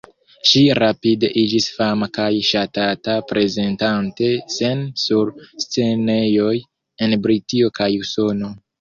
Ŝi rapide iĝis fama kaj ŝatata, prezentante sin sur scenejoj en Britio kaj Usono.